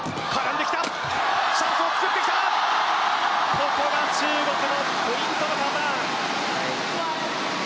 ここが中国のポイントのパターン。